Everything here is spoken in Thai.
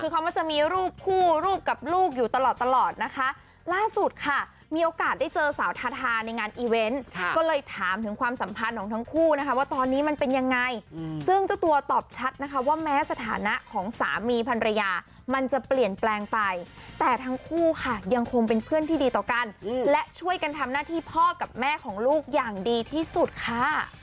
ความสัมพันธ์ของทั้งคู่นะคะว่าตอนนี้มันเป็นยังไงซึ่งเจ้าตัวตอบชัดนะคะว่าแม้สถานะของสามีภรรยามันจะเปลี่ยนแปลงไปแต่ทั้งคู่ค่ะยังคงเป็นเพื่อนที่ดีต่อกันและช่วยกันทำหน้าที่พ่อกับแม่ของลูกอย่างดีที่สุดค่ะ